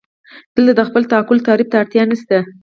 دلته د خپل تعقل تعریف ته اړتیا نشته.